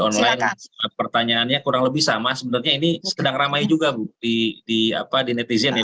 online pertanyaannya kurang lebih sama sebenarnya ini sedang ramai juga bukti di apa di netizen ya